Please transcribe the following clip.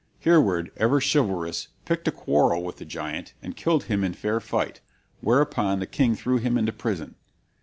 Hereward, ever chivalrous, picked a quarrel with the giant and killed him in fair fight, whereupon the king threw him into prison.